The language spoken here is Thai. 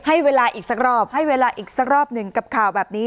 ให้เวลาอีกสักรอบให้เวลาอีกสักรอบหนึ่งกับข่าวแบบนี้